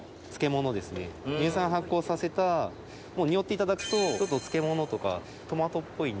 乳酸発酵させた匂っていただくとちょっと漬物とかトマトっぽい匂い。